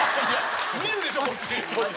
見るでしょこっち。